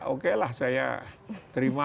oke lah saya terima